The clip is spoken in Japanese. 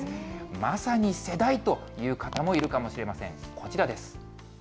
まさに世代という方もいるかもしれません。